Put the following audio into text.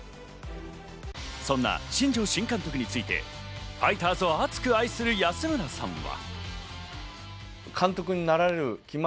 そんな新庄新監督についてファイターズを熱く愛する安村さんは。